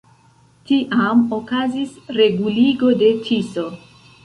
Tiam okazis reguligo de Tiso.